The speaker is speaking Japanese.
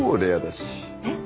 えっ？